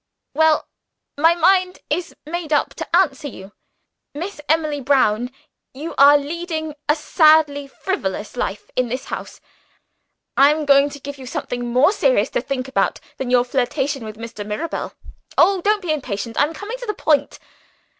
"Well, my mind is made up to answer you. Miss Emily Brown, you are leading a sadly frivolous life in this house. I am going to give you something more serious to think about than your flirtation with Mr. Mirabel. Oh, don't be impatient! I am coming to the point.